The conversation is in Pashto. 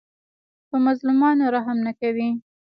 په مظلومانو رحم نه کوي.